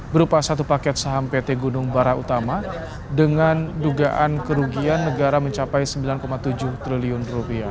berupa satu paket saham pt gunung barah utama dengan dugaan kerugian negara mencapai rp sembilan tujuh triliun